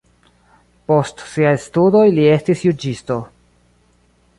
Post siaj studoj li estis juĝisto.